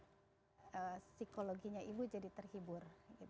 psikologinya ibu jadi terhibur